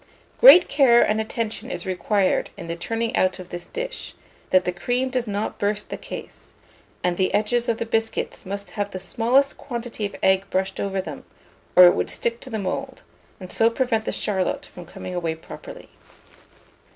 Great care and attention is required in the turning out of this dish, that the cream does not burst the case; and the edges of the biscuits must have the smallest quantity of egg brushed over them, or it would stick to the mould, and so prevent the charlotte from coming away properly.